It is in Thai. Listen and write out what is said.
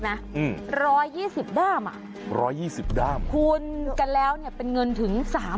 อืมร้อยยี่สิบด้ามอ่ะร้อยยี่สิบด้ามคูณกันแล้วเนี่ยเป็นเงินถึงสาม